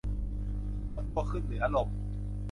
ยกตัวขึ้นเหนือลม